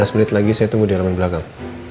lima belas menit lagi saya tunggu di halaman belakang